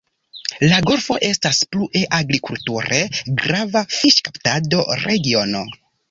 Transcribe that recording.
La golfo estas plue agrikulture grava fiŝkaptado-regiono.